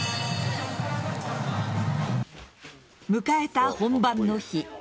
迎えた本番の日。